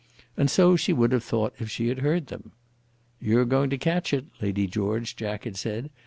And so she would have thought if she had heard them. "You're going to catch it, Lady George," Jack had said.